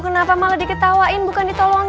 kenapa malah diketawain bukan ditolongin